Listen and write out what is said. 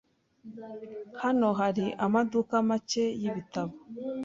Hano hari amaduka make yibitabo.